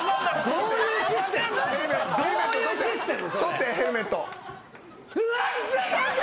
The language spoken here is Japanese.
どういうシステム？